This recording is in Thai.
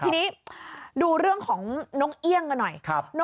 ทีนี้ดูเรื่องของนกเอี่ยงกันหน่อย